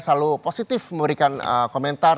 selalu positif memberikan komentar